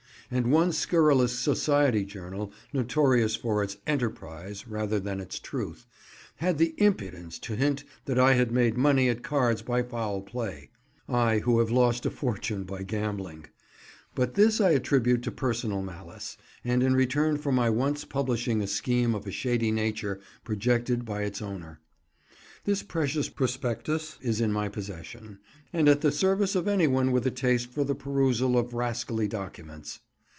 And one scurrilous society journal, notorious for its "enterprise" rather than its "truth," had the impudence to hint that I had made money at cards by foul play (I who have lost a fortune by gambling); but this I attribute to personal malice, and in return for my once publishing a scheme of a shady nature projected by its owner. This precious prospectus is in my possession, and at the service of any one with a taste for the perusal of rascally documents.